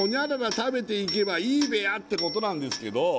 「○○食べて行けばいいべや！」ってことなんですけど